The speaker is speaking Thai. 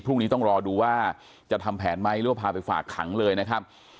พรุ่งนี้ต้องรอดูว่าจะทำแผนไหมหรือว่าพาไปฝากขังเลยนะครับ